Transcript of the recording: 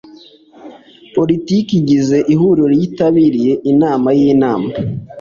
Politiki igize Ihuriro yitabiriye inama y Inama